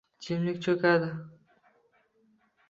Jimlik cho‘kadi.